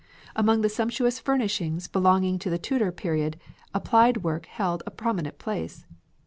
Among the sumptuous furnishings belonging to the Tudor period, applied work held a prominent place.